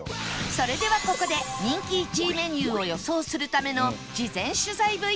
それではここで人気１位メニューを予想するための事前取材 ＶＴＲ